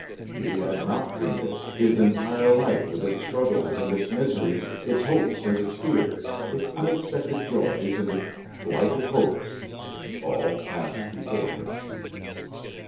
He had not dreamed it. His entire life, with its struggles and its miseries, its hopes and its fears, its unexpected joys and its blighted hopes, all passed before him.